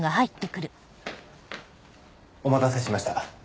お待たせしました。